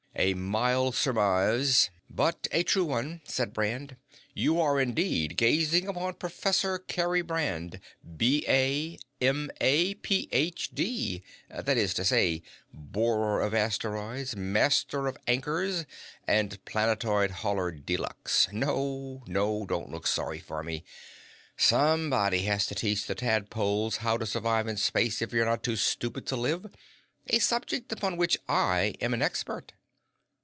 "A mild surmise, but a true one," said Brand. "You are, indeed, gazing upon Professor Kerry Brand, B.A., M.A., Ph.D. that is to say, Borer of Asteroids, Master of Anchors, and Planetoid hauler De luxe. No, no; don't look sorry for me. _Some_body has to teach the tadpoles How To Survive In Space If You're Not Too Stupid To Live a subject upon which I am an expert."